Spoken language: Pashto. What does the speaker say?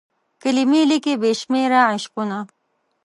کلمې لیکي بې شمیر عشقونه